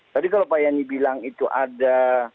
tadi kalau pak yani bilang itu ada